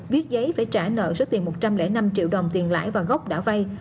viết giấy phải trả nợ số tiền một trăm linh năm triệu đồng tiền lãi và gốc đã vay